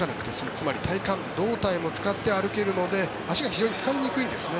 つまり体幹、胴体も使って歩けるので足が非常に疲れにくいんですね。